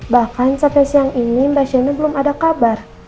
bahkan sampai siang ini mbak shane belum ada kabar